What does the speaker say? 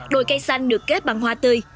đôi cây xanh được kết bằng hoa tươi